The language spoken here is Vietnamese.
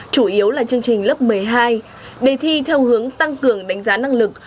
chủ yếu là chương trình lớp một mươi hai đề thi theo hướng tăng cường đánh giá năng lực